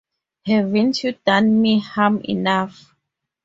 Haven't you done me harm enough?